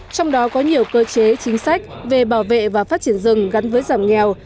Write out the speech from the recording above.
trong đó có nhiều cơ chế chính sách về bảo vệ và phát triển rừng gắn với giảm nghèo